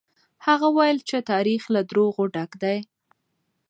هغه وويل چې تاريخ له دروغو ډک دی.